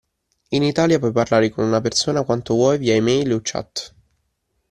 In Italia puoi parlare con una persona quanto vuoi via email o chat.